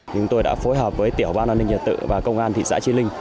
chúng tôi đã phối hợp với tiểu ban an ninh nhà tự và công an thị xã chiên linh